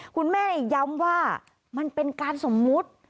คุณแม่ย้ำว่ามันเป็นการสมมุติ